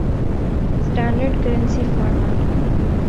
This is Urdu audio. standard currency format